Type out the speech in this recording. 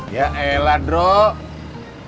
ya elah druk